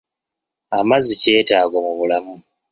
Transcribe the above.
Amazzi kyetaago mu bulamu.